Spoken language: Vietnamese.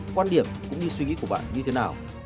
quan điểm cũng như suy nghĩ của bạn như thế nào